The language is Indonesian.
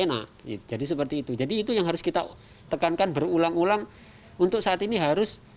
enak jadi seperti itu jadi itu yang harus kita tekankan berulang ulang untuk saat ini harus